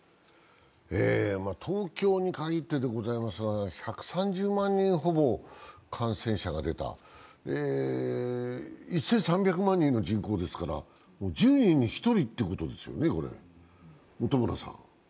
東京に限ってでございますが１３０万人ほど感染が出た、１３００万人の人口ですから、１０人に１人ってことですよね。